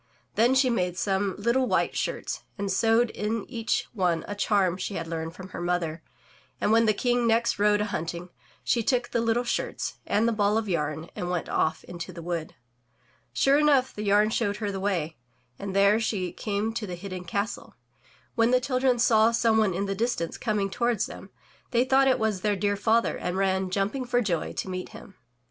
Then she made some little white shirts and sewed in each one a charm she had learned from her mother, and when the King next rode a himting, she took the little shirts and the ball of yam and went off into the wood. Sure enough, the yam showed her the way, and there she came to the hidden castle. When the children saw some one in the distance coming toward them, they thought it was their dear father and ran, jumping for joy, to meet him.